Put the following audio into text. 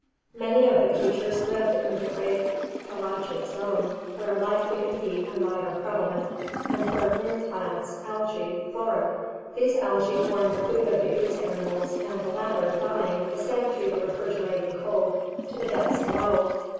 Many of the creatures lived in the great pelagic zone where life giving heat and light are prevalent and where green plants (algae) flourish. These algae form the food of the ooze animals and the latter, dying, descend through the refrigerating cold to the depths below.